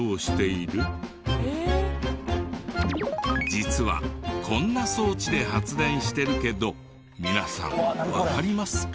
実はこんな装置で発電してるけど皆さんわかりますか？